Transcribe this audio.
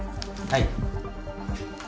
はい。